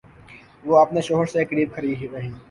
وہ اپنے شوہر سے قریب کھڑی رہی۔